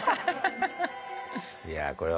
いやこれは。